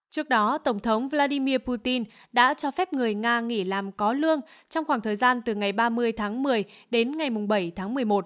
trước đó tổng thống vladimir putin đã cho phép người nga nghỉ làm có lương trong khoảng thời gian từ ngày ba mươi tháng một mươi đến ngày bảy tháng một mươi một